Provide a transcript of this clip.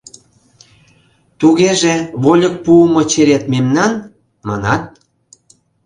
Тугеже, вольык пуымо черет мемнан, манат?